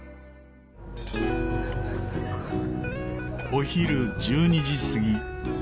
お昼１２時過ぎ。